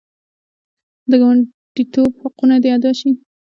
د ګاونډیتوب حقونه دې ادا شي.